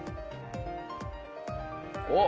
おっ！